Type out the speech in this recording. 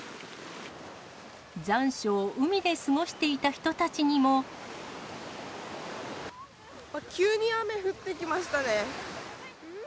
残暑を海で過ごしていた人た急に雨、降ってきましたね。